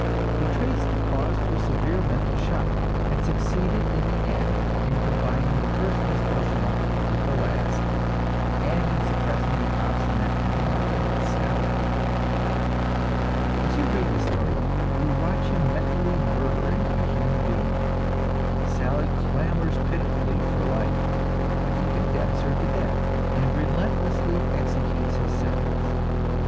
He traced the cause to a severe mental shock, and succeeded in the end in combining the first Miss Beauchamp with the last, and in suppressing the obstinate and wanton Sally. As you read this story, you watch him mentally murdering a human being; "Sally" clamors pitifully for life, but he condemns her to death, and relentlessly executes his sentence.